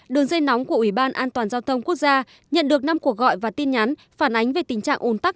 cục ủy ban an toàn giao thông quốc gia nhận được năm cuộc gọi và tin nhắn phản ánh về tình trạng ồn tắc